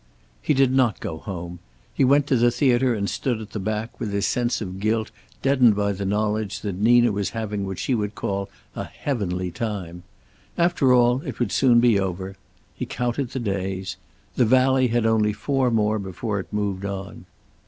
He did not go home. He went to the theater and stood at the back, with his sense of guilt deadened by the knowledge that Nina was having what she would call a heavenly time. After all, it would soon be over. He counted the days. "The Valley" had only four more before it moved on.